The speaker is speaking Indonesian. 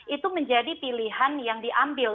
itu menjadi pilihan yang diambil